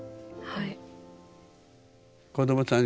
はい。